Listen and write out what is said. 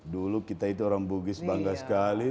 dulu kita itu orang bugis bangga sekali